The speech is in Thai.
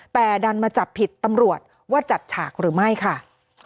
แต่ดันมาจับผิดตำรวจว่าจัดฉากหรือไม่ค่ะ